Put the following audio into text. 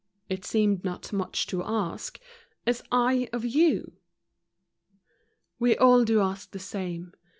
" It seemed not much to ask — as / of you f We all do ask the same.